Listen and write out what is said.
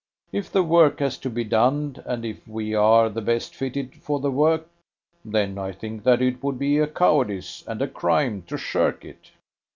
If the work has to be done, and if we are the best fitted for the work, then I think that it would be a cowardice and a crime to shirk it."